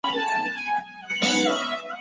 秦王政也任命李斯为客卿。